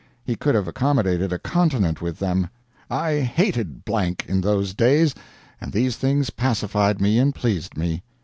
He could have accommodated a continent with them. I hated in those days, and these things pacified me and pleased me.